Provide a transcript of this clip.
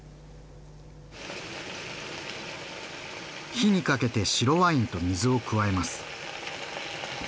火にかけて白ワインと水を加えます。